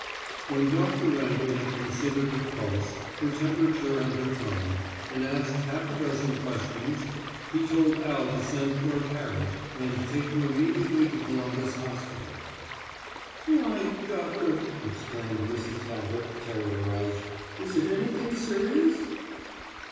When Dr. Randall had considered her pulse, her temperature and her tongue, and asked half a dozen questions, he told Al to send for a carriage and take her immediately to Columbus Hospital. "Why, doctor," exclaimed Mrs. Talbot, terrorized, "is it anything serious?"